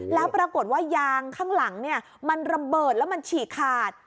แล้วปรากฏว่ายางข้างหลังมันระเบิดแล้วมันฉีกขาด